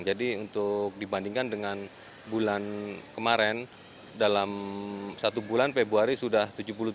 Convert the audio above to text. untuk dibandingkan dengan bulan kemarin dalam satu bulan februari sudah tujuh puluh tujuh